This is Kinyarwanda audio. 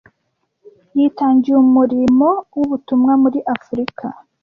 Yitangiye umurimo w'ubutumwa muri Afurika.